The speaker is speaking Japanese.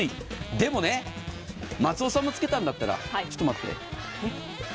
でもね、松尾さんもつけたんだったら、ちょっと待って。